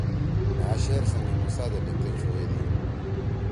مھأ شعر سنگِ موسٰی دے لیِکھتے چھوئی دی